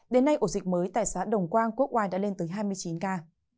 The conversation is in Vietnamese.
đến nay ổ dịch mới tại xã đồng quang quốc oai đã lên tới hai mươi chín ca